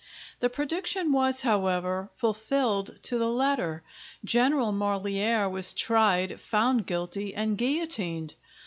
The prediction was, however, fulfilled to the letter. General Marlière was tried, found guilty, and guillotined.